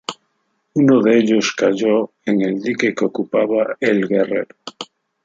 Uno de ellos cayó en el dique que ocupaba el "Guerrero".